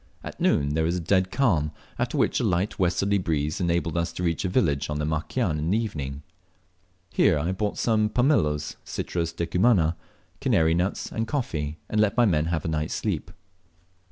At noon there was a dead calm, after which a light westerly breeze enabled us to reach a village on Makian in the evening. Here I bought some pumelos (Citrus decumana), kanary nuts, and coffee, and let my men have a night's sleep.